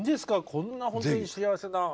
こんな本当に幸せな。